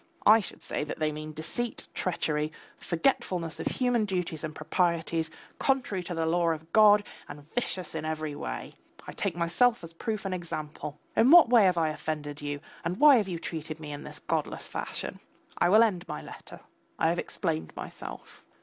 I should say that they mean deceit, treachery, forgetfulness of human duties and proprieties, contrary to the law of God and vicious in every way. I take myself as a proof and example. In what way have I offended you and why have you treated me in this godless fashion? I will end my letter. I have explained myself.